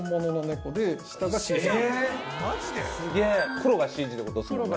黒がＣＧってことですもんね。